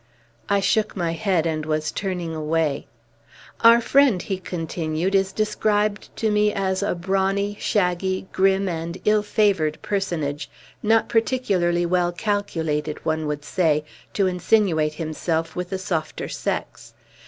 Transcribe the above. I shook my head, and was turning away. "Our friend," he continued, "is described to me as a brawny, shaggy, grim, and ill favored personage, not particularly well calculated, one would say, to insinuate himself with the softer sex.